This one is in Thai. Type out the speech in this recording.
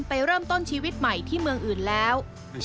ไปเริ่มต้นชีวิตใหม่ที่เมืองอื่นแล้ว